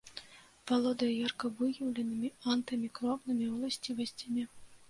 Валодае ярка выяўленымі антымікробнымі ўласцівасцямі.